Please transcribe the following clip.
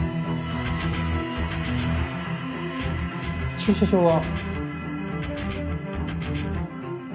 駐車場は？